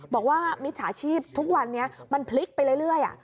มิจฉาชีพทุกวันนี้มันพลิกไปเรื่อย